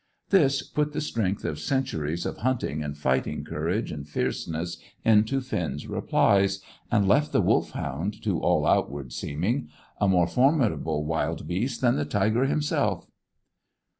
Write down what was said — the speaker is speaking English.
This put the strength of centuries of hunting and fighting courage and fierceness into Finn's replies, and left the Wolfhound, to all outward seeming, a more formidable wild beast than the tiger himself.